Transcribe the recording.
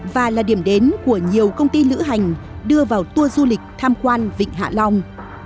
và là điểm đến của nhiều công ty lữ hành đưa vào tour du lịch tham quan vịnh hạ long